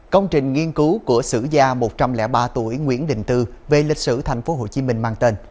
công trình nghiên cứu của sử gia một trăm linh ba tuổi nguyễn đình tư về lịch sử tp hcm mang tên